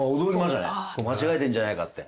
間違えてんじゃないかって。